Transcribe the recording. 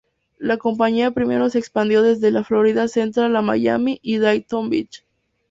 La compañía primero se expandió desde la Florida Central a Miami y Daytona Beach.